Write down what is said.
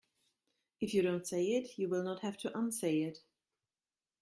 If you don't say it you will not have to unsay it.